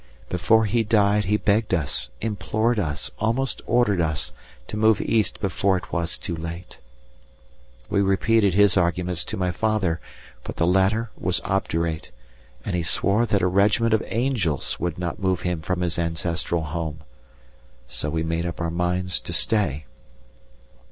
Before he died, he begged us, implored us, almost ordered us, to move east before it was too late. We repeated his arguments to my father, but the latter was obdurate, and he swore that a regiment of angels would not move him from his ancestral home. So we made up our minds to stay.